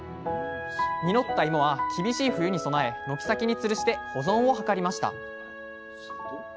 実ったいもは厳しい冬に備え軒先につるして保存を図りました。